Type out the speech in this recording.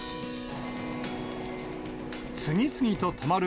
次々と止まる